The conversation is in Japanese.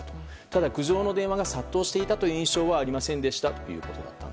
ただ苦情の電話が殺到していたという印象はありませんでしたということでした。